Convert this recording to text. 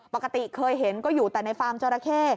ปกติเคยเห็นก็อยู่แต่ในฟาร์มจราเข้